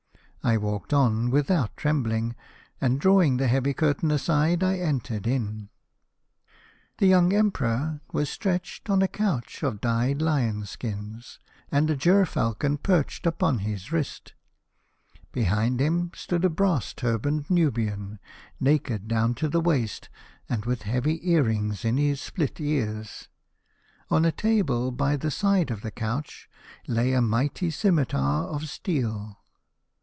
I walked on without trembling, and drawing the heavy curtain aside I entered in. " The young Emperor was stretched on a couch of dyed lion skins, and a ger falcon 103 A House of Pomegranates. perched upon his wrist. Behind him stood a brass turbaned Nubian, naked down to the waist, and with heavy earrings in his split ears. On a table by the side of the couch lay a mighty scimitar of steel.